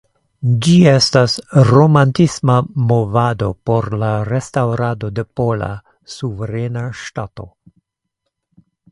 Ĝi estis Romantisma movado por la restaŭrado de Pola suverena ŝtato.